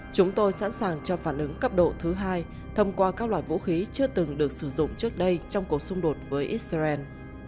chúng tôi sẵn sàng cho phản ứng cấp độ thứ hai thông qua các loại vũ khí chưa từng được sử dụng trước đây trong cuộc xung đột với israel